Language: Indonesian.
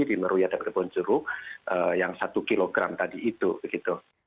di meruya dan kebonjuru yang satu kg tadi itu